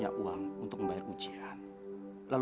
kamu tuh ibaratnya